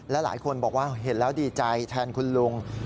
และหลายคนบอกว่าเห็นแล้วดีใจแทนคุณลุง